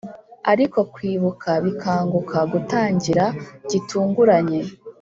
ariko kwibuka bikanguka gutangira gitunguranye